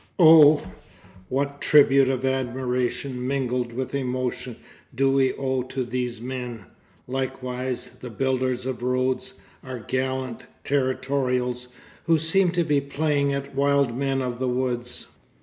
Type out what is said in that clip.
Oh! what tribute of admiration mingled with emotion do we owe to these men, likewise, the builders of roads, our gallant territorials, who seem to be playing at wild men of the woods.